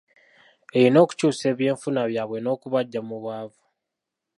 Erina okukyusa ebyenfuna byabwe n’okubaggya mu bwavu.